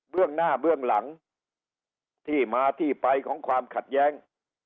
เรื่องหน้าเบื้องหลังที่มาที่ไปของความขัดแย้ง